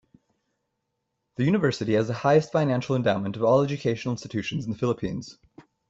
The University has the highest financial endowment of all educational institutions in the Philippines.